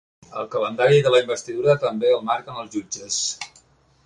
El calendari de la investidura també el marquen els jutges.